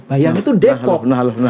bayangin itu depok